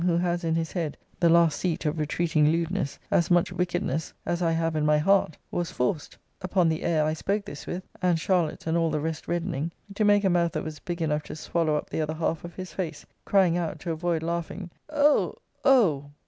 who has in his head (the last seat of retreating lewdness) as much wickedness as I have in my heart, was forced (upon the air I spoke this with, and Charlotte's and all the rest reddening) to make a mouth that was big enough to swallow up the other half of his face; crying out, to avoid laughing, Oh! Oh!